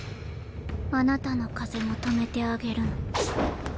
あなたの風も止めてあげるの。